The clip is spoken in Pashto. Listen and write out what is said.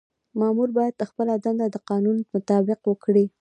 مامور باید خپله دنده د قانون مطابق وکړي.